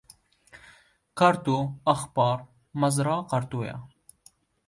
Qerto, Axpar Mezra Qerto ye